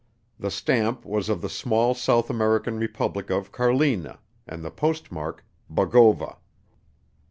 The stamp was of the small South American Republic of Carlina and the postmark "Bogova."